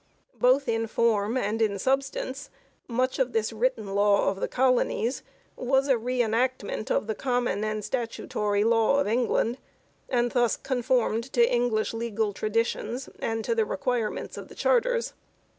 Both in form and in substance much of this written law of the colonies was a re enactment of the Common and Statutory Law of England, and thus conformed to English legal traditions and to the requirements of the charters.